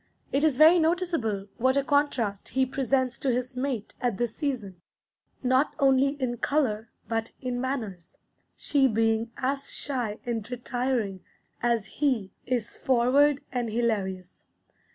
It is very noticeable what a contrast he presents to his mate at this season, not only in color but in manners, she being as shy and retiring as he is forward and hilarious.